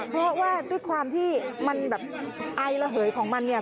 เพราะว่าด้วยความที่มันแบบไอระเหยของมันเนี่ย